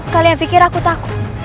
kalian pikir aku takut